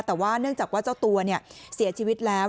แต่ว่าเนื่องจากว่าเจ้าตัวเสียชีวิตแล้ว